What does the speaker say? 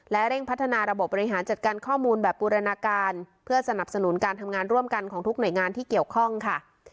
และเร่งพัฒนาระบบบบริหารจัดการข้อมูลแบบบูรณาการเพื่อสนับสนุนการทำงานร่วมกันของทุกหน่วยงานที่เกี่ยวข้องค่ะ